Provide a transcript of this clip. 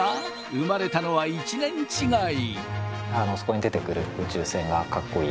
生まれたのは１年違い。